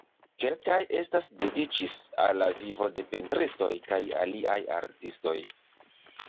Kelkaj estas dediĉis al la vivo de pentristoj kaj aliaj artistoj.